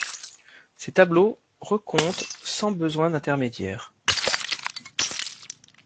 Ses tableaux recomptent sans besoin d'intermédiaires.